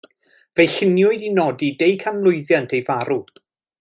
Fe'i lluniwyd i nodi deucanmlwyddiant ei farw.